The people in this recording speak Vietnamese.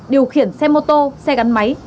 điều khiển xe mô tô xe gắn máy